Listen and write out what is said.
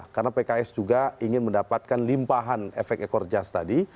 karena pks juga ingin mendapatkan limpahan efek ekor jas tadi